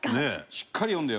しっかり読んでよ。